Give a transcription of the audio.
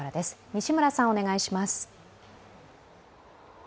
西村さん、お願いします。